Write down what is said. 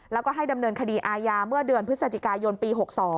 แล้วก็ให้ดำเนินคดีอาญาเมื่อเดือนพฤศจิกายนปี๖๒